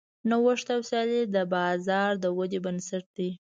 نوښت او سیالي د بازار د ودې بنسټونه دي.